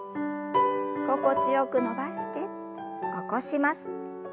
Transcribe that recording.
心地よく伸ばして起こします。